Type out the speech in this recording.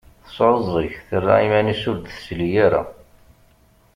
Tesεuẓẓeg, terra iman-is ur d-tesli ara.